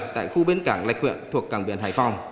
tại khu bến cảng lạch huyện thuộc cảng biển hải phòng